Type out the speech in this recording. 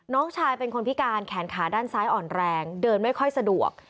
น้องชายเป็นคนพิการแขนขาด้านซ้ายอ่อนแรงเดินไม่ค่อยสะดวก